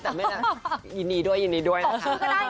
แต่ไม่น่ายินดีด้วยยินดีด้วยนะคะ